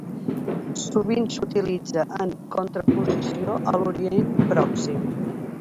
Sovint s'utilitza en contraposició a l'Orient Pròxim.